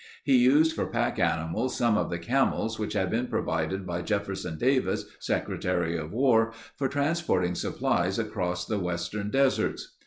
He used for pack animals some of the camels which had been provided by Jefferson Davis, Secretary of War, for transporting supplies across the western deserts.